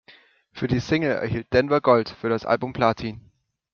Für die Single erhielt Denver Gold, für das Album Platin.